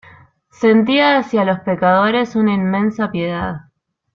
Sentía hacia los pecadores una inmensa piedad.